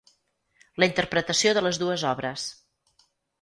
La interpretació de les dues obres.